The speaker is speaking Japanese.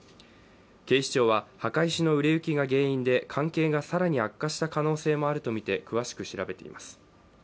警視庁は墓石の売れ行きが原因で関係が更に悪化した可能性もあるとみて詳しく調べています。